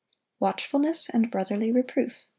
Watchfulness, and brotherly reproof.